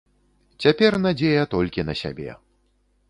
Цяпер надзея толькі на сябе.